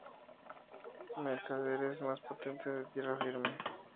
Mercaderes más potentes de Tierra Firme.